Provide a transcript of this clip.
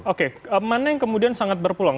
oke mana yang kemudian sangat berpeluang